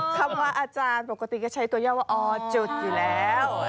คำว่าอาจารย์ปกติก็ใช้ตัวย่อว่าอจุดอยู่แล้ว